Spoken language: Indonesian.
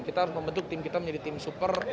kita harus membentuk tim kita menjadi tim super